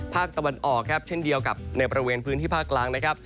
ภาคตะวันออกเช่นเดียวกับในประเวนพื้นที่ภาคกลาง